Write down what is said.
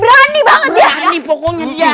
berani pokoknya dia